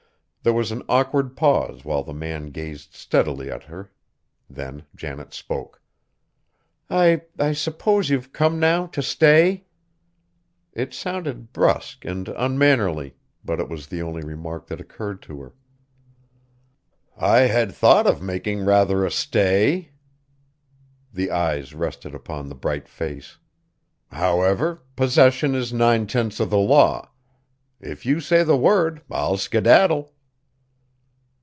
There was an awkward pause while the man gazed steadily at her. Then Janet spoke. "I, I suppose you've come now, to stay?" It sounded brusque and unmannerly, but it was the only remark that occurred to her. "I had thought of making rather a stay," the eyes rested upon the bright face, "however, possession is nine tenths of the law. If you say the word I'll skedaddle!"